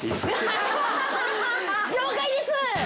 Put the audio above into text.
了解です。